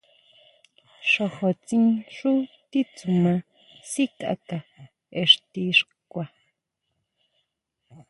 Xojóntsín xú titsuma sikáka ixti xkua.